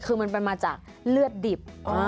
คือมันเป็นมาจากเลือดดิบ